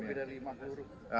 sekitar lima peluru